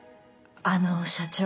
あの社長